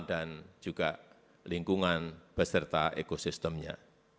dan juga lingkungan beserta ekosistemnya